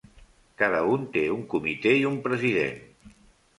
Cada un té un comitè i un president.